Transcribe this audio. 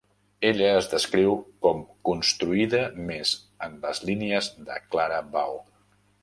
Ella es descriu com construïda més en les línies de Clara Bow.